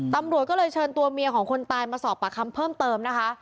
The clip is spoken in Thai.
ตำรวจก็เลยเชิญตัวเมียของคนตายมาสอบปากคำเพิ่มเติมนะคะ